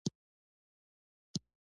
افغانستان له واوره ډک دی.